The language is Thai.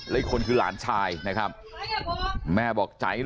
ฮะอีกคนคือหลานชายนะครับ